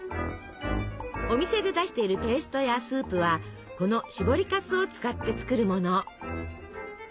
お店で出しているペーストやスープはこのしぼりかすを使って作るもの。